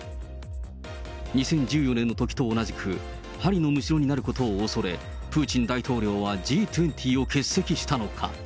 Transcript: ２０１４年のときと同じく針のむしろになることを恐れ、プーチン大統領はＧ２０を欠席したのか。